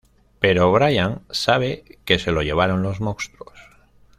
Pero Brian sabe que se lo llevaron los monstruos.